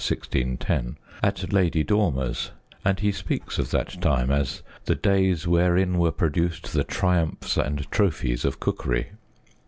1610) at Lady Dormer's, and he speaks of that time as " the days wherein were produced the triumphs and trophies of cookery."